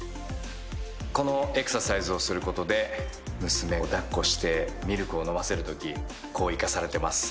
このエクササイズをすることで娘を抱っこしてミルクを飲ませるとき結構生かされてます。